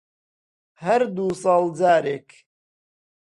هەر دوو ساڵ جارێک